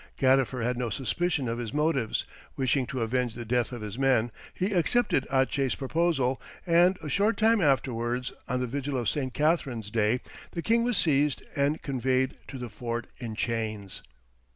Gadifer had no suspicion of his motives; wishing to avenge the death of his men, he accepted Ache's proposal, and a short time afterwards, on the vigil of St. Catherine's day, the king was seized, and conveyed to the fort in chains.